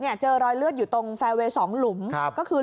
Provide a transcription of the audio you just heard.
เนี่ยเจอรอยเลือดอยู่ตรงไซค์เวย์สองหลุมครับก็คือ